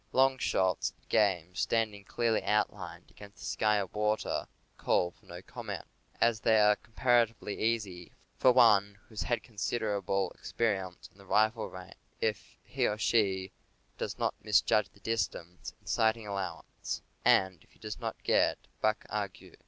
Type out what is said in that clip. Long shots at game standing clearly outlined against the sky or water call for no comment, as they are com paratively easy for one who has had considerable experience on the rifle range, if he does not misjudge the distance and sighting allowance — and if he does not get buck ague.